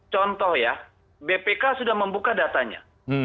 contoh ya bpk sudah membuka datanya